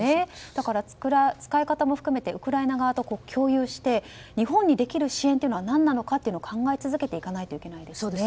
だから、使い方も含めてウクライナ側と共有して日本にできる支援というのは何なのかというのを考え続けていかないといけないですね。